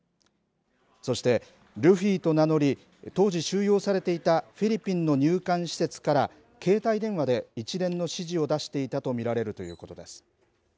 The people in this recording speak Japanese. そして、ルフィと名乗り当時収容されていたフィリピンの入管施設から携帯電話で一連の指示を出していたと見られるということです。